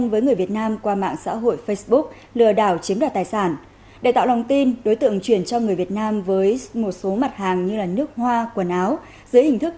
dưới hình thức cho tặng qua đường hàng không